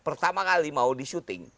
pertama kali mau di syuting